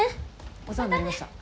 お世話になりました。